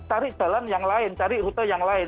tarik jalan yang lain tarik rute yang lain